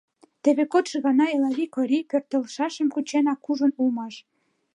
Теве кодшо гана Элавий Корий пӧртылшашым кученак ужын улмаш.